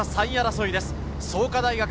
３位争いです。